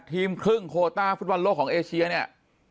ครึ่งโคต้าฟุตบอลโลกของเอเชียเนี่ย